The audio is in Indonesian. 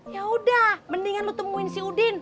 yaudah mendingan lo temuin si udin